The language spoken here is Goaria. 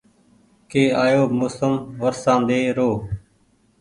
ڪي آيو موسم ورشاندي رو